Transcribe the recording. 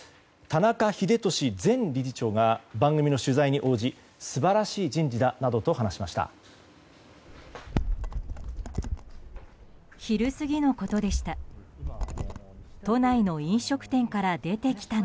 田中英寿前理事長が番組の取材に応じ素晴らしい人事だと話しました。